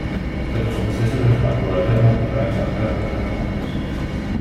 Tots els processos es van dur a terme en diferents sostres artesanals.